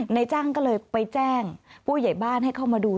ในจ้างก็เลยไปแจ้งผู้ใหญ่บ้านให้เข้ามาดู